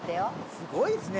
すごいっすね